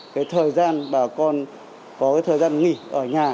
cái thời gian bà con có thời gian nghỉ ở nhà